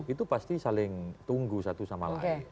itu pasti saling tunggu satu sama lain